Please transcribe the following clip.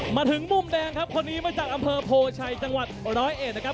มาถึงมุมแดงครับคนนี้มาจากอำเภอโพชัยจังหวัดร้อยเอ็ดนะครับ